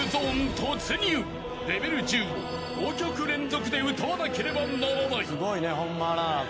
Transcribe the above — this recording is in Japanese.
［レベル１０を５曲連続で歌わなければならない］